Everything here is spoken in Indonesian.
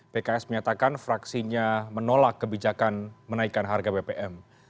pks menyatakan fraksinya menolak kebijakan menaikan harga bbm